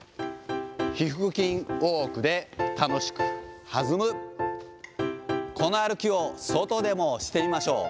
ひ腹筋ウォークで楽しく弾む、この歩きを外でもしてみましょう。